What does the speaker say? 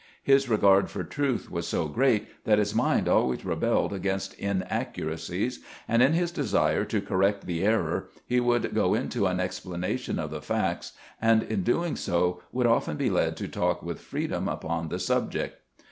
His regard for truth was so great that his mind always rebelled against in accuracies, and in his desire to correct the error he would go into an explanation of the facts, and in doing so would often be led to talk with freedom upon the subject.